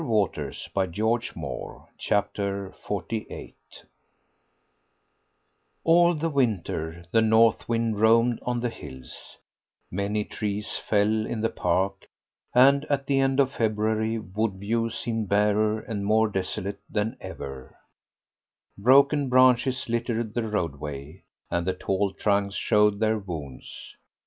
Nature does not take long, a few years, a very few years." XLVIII All the winter the north wind roamed on the hills; many trees fell in the park, and at the end of February Woodview seemed barer and more desolate than ever; broken branches littered the roadway, and the tall trunks showed their wounds.